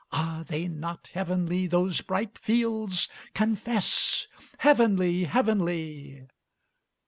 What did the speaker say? Are they not heavenly those bright fields? Confess!" Heavenly! Heavenly!